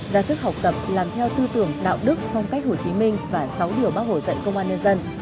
ra sức học tập làm theo tư tưởng đạo đức phong cách hồ chí minh và sáu điều bác hồ dạy công an nhân dân